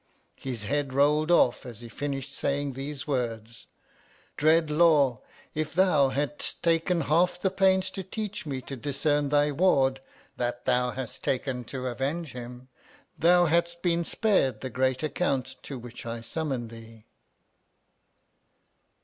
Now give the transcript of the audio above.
His head rolled off as he finished Charles Dickens.] SISTER ROSE. 267 saying these words : Dread Law, if thou hadst taken half the pains to teach me to dis cern thy ward that thou hast taken to avenge him, thou hadst been spared the great account to which I summon thee